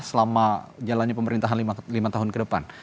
selama jalannya pemerintahan lima tahun ke depan